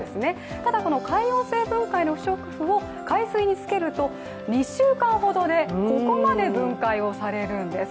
ただ、海洋生分解の不織布を海水につけると２週間ほどでここまで分解されるんです。